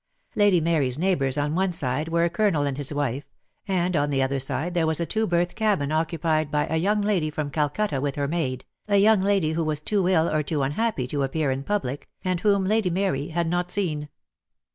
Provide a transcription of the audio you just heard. Lady Mary's neighbours on one side were a Colonel and his wife, and on the other side there was a two berth cabin occupied by a young lady from ■Calcutta with her maid, a young lady who was too ill or too unhappy to appear in public, and whom Lady Mary had not seen.